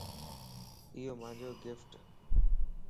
ايو مانجو گفٽ